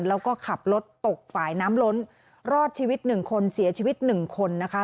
แล้วก็ขับรถตกฝ่ายน้ำล้นรอดชีวิตหนึ่งคนเสียชีวิตหนึ่งคนนะคะ